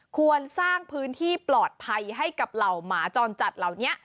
ควรสร้างพื้นที่ปลอดภัยให้กับเหล่าหมาจรจัดเหล่านี้